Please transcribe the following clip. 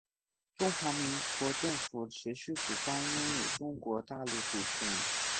中华民国政府持续主张拥有中国大陆主权